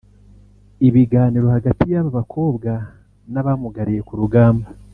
Ibiganiro hagati y'aba bakobwa n'abamugariye ku rugamba